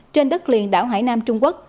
trên đất liền đảo hải nam trung quốc